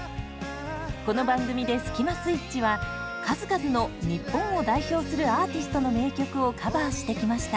この番組でスキマスイッチは数々の日本を代表するアーティストの名曲をカバーしてきました。